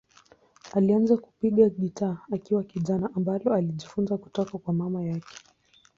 Alianza kupiga gitaa akiwa kijana, ambalo alijifunza kutoka kwa mama yake.